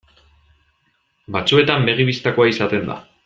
Batzuetan begi bistakoa izaten da.